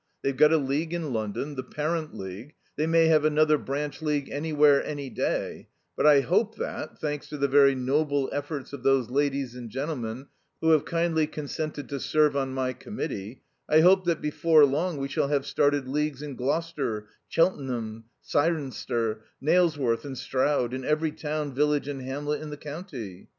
They've got a League in London, the parent League; they may have another branch League anywhere any day, but I hope that thanks to the very noble efforts of those ladies and gentlemen who have kindly consented to serve on my Committee I hope that before long we shall have started Leagues in Gloucester, Cheltenham, Cirencester, Nailsworth and Stroud; in every town, village and hamlet in the county.